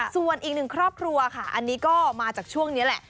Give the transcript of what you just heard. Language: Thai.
ส่วนอีกหนึ่งครอบครัวค่ะอันนี้ก็มาจากช่วงนี้แหละ